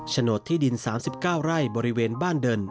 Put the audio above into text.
โดดที่ดิน๓๙ไร่บริเวณบ้านเดิน